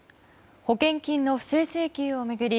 保険金の不正請求を巡り